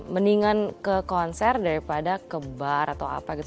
mendingan ke konser daripada ke bar atau apa gitu